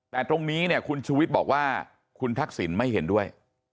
แต่ตรงนี้เนี่ยคุณชูวิทย์บอกว่าคุณทักษิณไม่เห็นด้วย